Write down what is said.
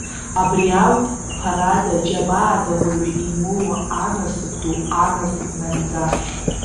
Абри ауп, қәԥарада, џьабаада уаҩы имоуа анасыԥ ду, анасыԥ нагӡа!